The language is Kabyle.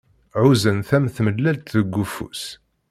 Ɛuzzen-t am tmellalt deg ufus.